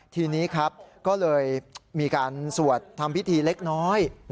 ทีนี้ครับก็เลยมีการสวดทำพิธีเล็กน้อย